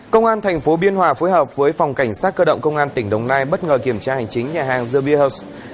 công an thành phố biên hòa phối hợp với phòng cảnh sát cơ động công an tỉnh đồng nai bất ngờ kiểm tra hành chính nhà hàng zerbie hos